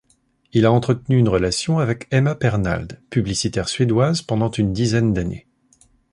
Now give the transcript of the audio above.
Il a entretenu une relation avec Emma Pernald, publicitaire suédoise, pendant une dizaine d'années.